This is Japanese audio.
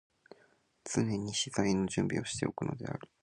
常に詩材の準備をして置くのである。